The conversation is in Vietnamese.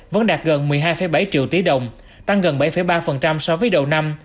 vẫn đạt gần một mươi hai bảy triệu tỷ đồng tăng gần bảy ba so với đầu năm